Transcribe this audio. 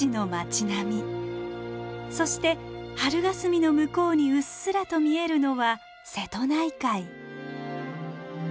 そして春がすみの向こうにうっすらと見えるのは瀬戸内海。